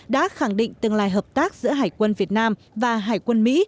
đã khẳng định tương lai hợp tác giữa hải quân việt nam và hải quân mỹ